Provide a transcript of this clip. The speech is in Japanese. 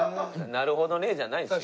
「なるほどね」じゃないんですよ。